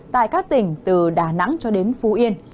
tại các tỉnh từ đà nẵng cho đến phú yên